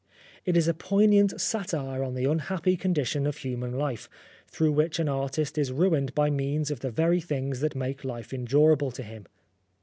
It is a poignant satire on the unhappy condition of human life, through which an artist is ruined by means of the very things that make life endurable to him.